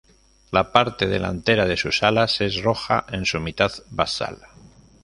La parte delantera de sus alas es roja en su mitad basal.